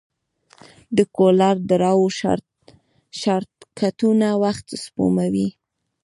د کولر ډراو شارټکټونه وخت سپموي.